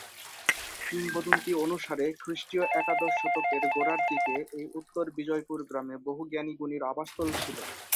কিংবদন্তী অনুসারে খৃষ্টীয় একাদশ শতকের গোড়ার দিকে এই উত্তর বিজয়পুর গ্রামে বহু জ্ঞানী-গুণীর আবাসস্থল ছিল।